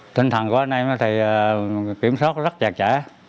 tinh thần của anh em thì kiểm soát rất chặt chẽ